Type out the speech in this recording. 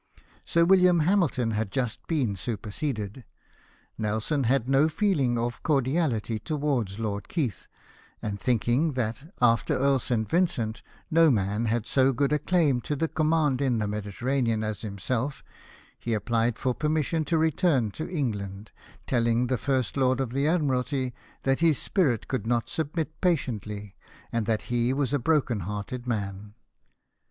Sir William Hamilton had just been superseded ; Nelson had no feeling of cordiahty towards Lord Keith ; and thinking that, after Earl St. Vincent, no man had so good a claim to the command in the Mediterranean as himself, he applied for permission to return to England, telling the First Lord of the Admiralty that his spirit could not submit patiently, and that he was a broken hearted man.